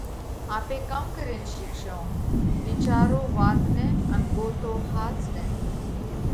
آپي ڪم ڪرينَ شِيکشون؟ وِيچارو وات نئہ ان ڳوتو ۿاس نئہ!